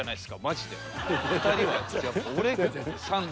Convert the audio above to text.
２人は。